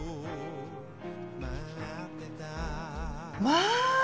まあ！